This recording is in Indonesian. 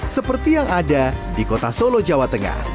seperti yang ada di kota solo jawa tengah